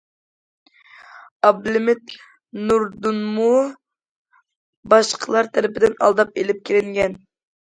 ئابلىمىت نۇردۇنمۇ باشقىلار تەرىپىدىن ئالداپ ئېلىپ كېلىنگەن.